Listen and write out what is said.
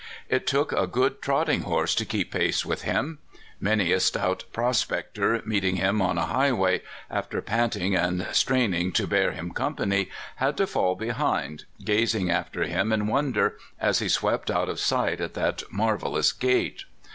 It took a good trotting horse to keep pace with him. Many a stout prospector, meeting him on a highway, after panting and straining to bear him. company, had to fall behind, gazing after him in wonder, as he swept out of sight at that marvelous gait.